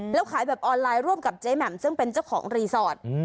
แล้วขายแบบออนไลน์ร่วมกับเจ๊แหม่มซึ่งเป็นเจ้าของรีสอร์ท